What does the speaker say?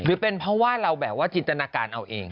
หรือเป็นเพราะว่าเราแบบว่าจินตนาการเอาเอง